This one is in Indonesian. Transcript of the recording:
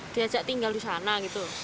diajak tinggal di sana gitu